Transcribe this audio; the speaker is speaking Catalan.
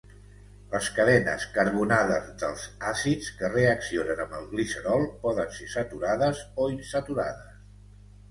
Les cadenes carbonades dels àcids que reaccionen amb el glicerol, poden ser saturades o insaturades.